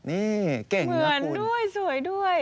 นี่เก่งเหมือนด้วยสวยด้วย